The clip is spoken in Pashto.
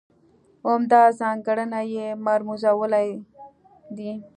عمده ځانګړنه یې مرموزوالی دی.